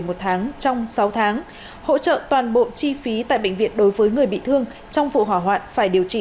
một tháng trong sáu tháng hỗ trợ toàn bộ chi phí tại bệnh viện đối với người bị thương trong vụ hỏa hoạn phải điều trị